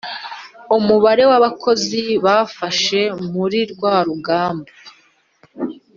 umubare w abakozi bafashe muri rwa ruganda